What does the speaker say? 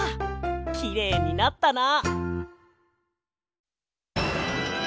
きれいになったな！